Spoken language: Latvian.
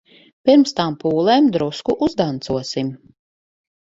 Pirms tām pūlēm drusku uzdancosim.